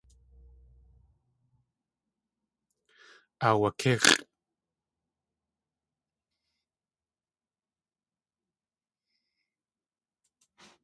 Aawakʼíx̲ʼ.